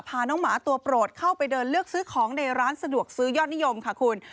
พาน้องหมาตัวโปรดเข้าไปเดินเลือกซื้อของในร้านสะดวกซื้อยอดนิยมค่ะคุณ